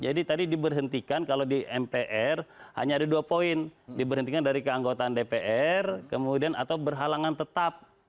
jadi tadi diberhentikan kalau di mpr hanya ada dua poin diberhentikan dari keanggotaan dpr kemudian atau berhalangan tetap